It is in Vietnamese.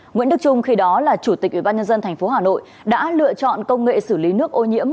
nguyễn đức trung khi đó là chủ tịch ủy ban nhân dân tp hà nội đã lựa chọn công nghệ xử lý nước ô nhiễm